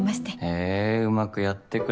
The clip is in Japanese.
へぇうまくやってくれよ。